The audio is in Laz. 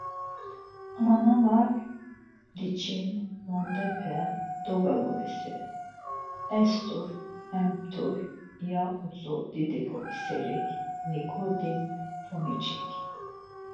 Ama na var diç̌in nondepe dogagurasi, est̆ur, empur, ya utzu didi ǩomiserik Nikodim Fomiç̌ik.